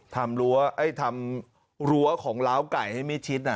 ทำรั้วทำรั้วของล้าวไก่ให้มีชิ้นน่ะ